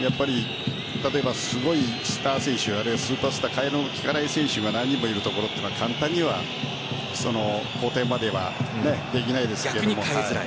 例えばすごいスター選手あるいはスーパースター代えの効かない選手が何人もいるところは簡単には交代まではできないですから。